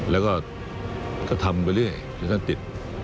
แล้วก็ทำไปเรื่อยจนท่านติด